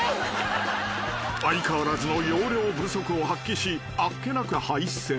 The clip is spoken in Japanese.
［相変わらずの容量不足を発揮しあっけなく敗戦］